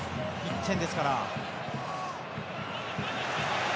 １点ですから。